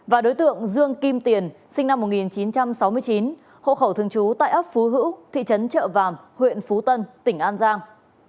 và đối tượng dương kim tiền sinh năm một nghìn chín trăm sáu mươi chín hộ khẩu thường trú tại ấp phú hữu thị trấn trợ vàm huyện phú tân tỉnh an giang